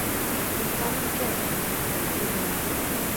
Дошманың кем? Ирем.